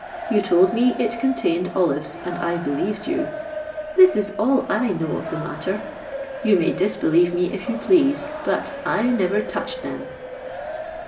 You told me it contained olives, and I believed you. This is all I know of the matter: you may disbelieve me if you please; but I never touched them."